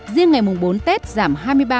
riêng ngày mùng bốn tết giảm hai mươi ba